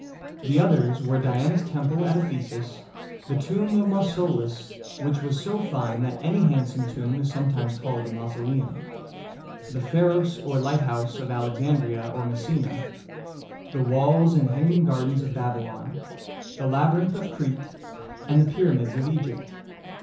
The others were Diana's Temple at Ephesus, the Tomb of Mau so´lus (which was so fine that any handsome tomb is sometimes called a mausoleum), the Pha´ros or Lighthouse of Alexandria or Messina, the Walls and Hanging Gardens of Babylon, the Labyrinth of Crete, and the Pyramids of Egypt.